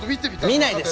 見ないです